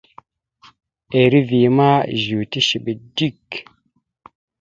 Eriveya ma zʉwe tishiɓe dik.